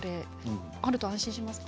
あると安心しますか？